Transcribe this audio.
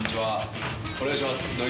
・お願いします。